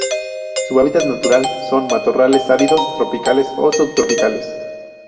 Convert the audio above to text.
Su hábitat natural son:matorrales áridos tropicales o subtropicales.